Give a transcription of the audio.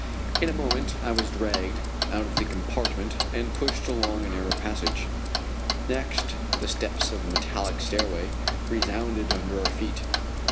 In a moment I was dragged out of the compartment and pushed along a narrow passage. Next, the steps of a metallic stairway resounded under our feet.